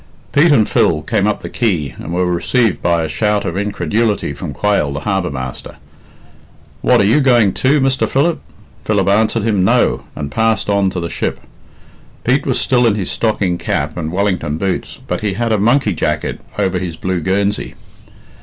Pete and Phil came up the quay, and were received by a shout of incredulity from Quayle, the harbour master. "What, are you going, too, Mr. Philip?" Philip answered him "No," and passed on to the ship. Pete was still in his stocking cap and Wellington boots, but he had a monkey jacket over his blue guernsey.